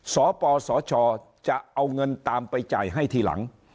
สปสชจะเอาเงินตามไปจ่ายให้ทีหลัง